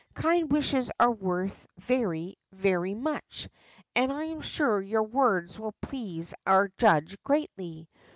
Kind wishes are worth very, very much, and I am sure your words will please our judge greatly.